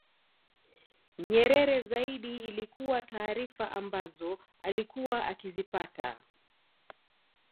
Nyerere zaidi ilikuwa taarifa ambazo alikuwa akizipata